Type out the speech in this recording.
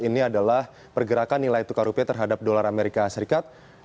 ini adalah pergerakan nilai tukar rupiah terhadap dolar amerika serikat